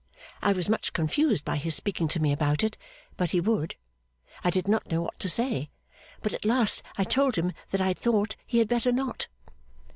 I was much confused by his speaking to me about it, but he would. I did not know what to say, but at last I told him that I thought he had better not.